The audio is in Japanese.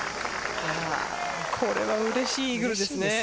これはうれしいイーグルですね。